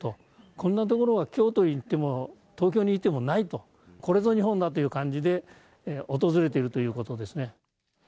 こんな所は京都に行っても東京に行ってもないと、これが日本だという感じで、訪れているということですね。